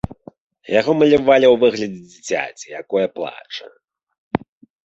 Яго малявалі ў выглядзе дзіцяці, якое плача.